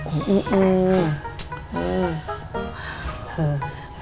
uh uh uh